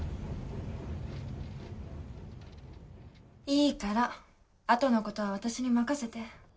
いいからあとのことは私に任せて